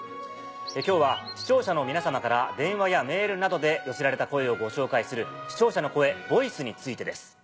今日は視聴者の皆さまから電話やメールなどで寄せられた声をご紹介する。についてです。